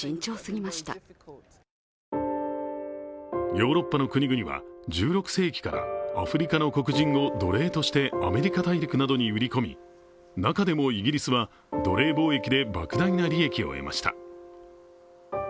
ヨーロッパの国々は１６世紀からアフリカの黒人を奴隷としてアメリカ大陸などに売り込み中でもイギリスは奴隷貿易でばく大な利益を得ました。